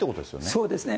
そうですね。